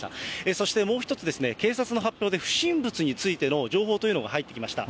そしてもう一つ、警察の発表で不審物についての情報というのが入ってきました。